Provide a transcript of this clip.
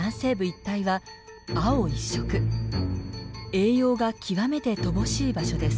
栄養が極めて乏しい場所です。